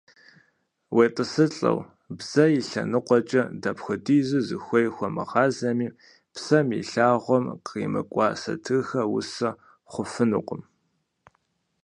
УетӀысылӀэу, бзэ и лъэныкъуэкӀэ дапхуэдизу зыхуей хуомыгъэзами, псэм и лъагъуэм къримыкӀуа сатырхэр усэ хъуфынукъым.